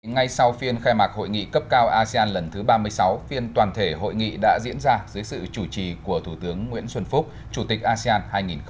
ngay sau phiên khai mạc hội nghị cấp cao asean lần thứ ba mươi sáu phiên toàn thể hội nghị đã diễn ra dưới sự chủ trì của thủ tướng nguyễn xuân phúc chủ tịch asean hai nghìn hai mươi